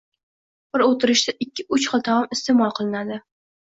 Bir o‘tirishda ikki-uch xil taom iste’mol qilinadi.